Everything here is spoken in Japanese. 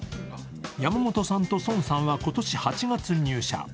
山本さんと孫さんは今年８月入社。